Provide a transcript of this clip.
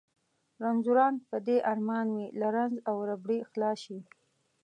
رنځوران په دې ارمان وي له رنځ او ربړې خلاص شي.